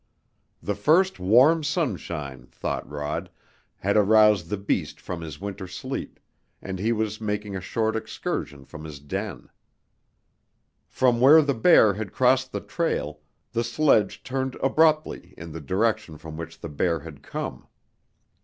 The first warm sunshine, thought Rod, had aroused the beast from his winter sleep, and he was making a short excursion from his den. From where the bear had crossed the trail the sledge turned abruptly in the direction from which the bear had come.